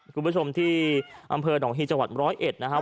คุณผู้ชมที่อำเภอหนองฮีจังหวัด๑๐๑นะครับ